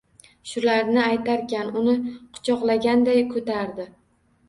Shularni aytarkan, uni kuchoqlaganday ko'tardi.